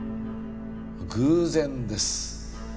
偶然です